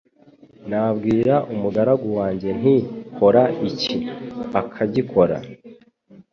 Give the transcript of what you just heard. Nabwira umugaragu wanjye nti: kora iki, akagikora.»